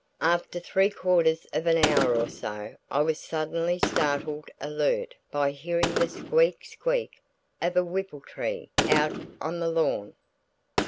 After three quarters of an hour or so I was suddenly startled alert by hearing the squeak squeak of a whippletree out on the lawn.